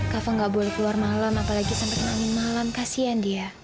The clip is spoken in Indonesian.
kava gak boleh keluar malam apalagi sampai tenangin malam kasihan dia